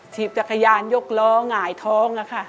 จักรยานยกล้อหงายท้องอะค่ะ